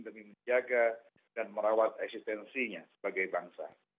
demi menjaga dan merawat eksistensinya sebagai bangsa